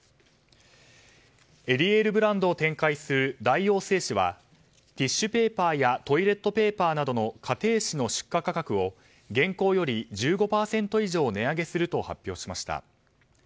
エリエールブランドを展開する大王製紙はティッシュペーパーやトイレットペーパーの家庭紙の出荷価格を原稿より１５％以上値上げすると発表しました。